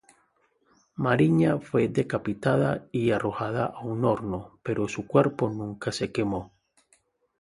Mariña fue decapitada y arrojada a un horno, pero su cuerpo nunca se quemó.